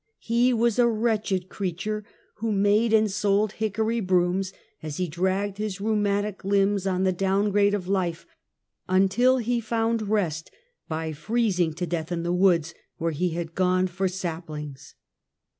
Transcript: He was a wretched creature, who made and sold hickory brooms, as he dragged his rheumatic limbs on the down grade of life, until he found rest by freezing to death in the woods, where he had gone for saplings.